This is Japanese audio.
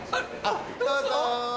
どうぞ。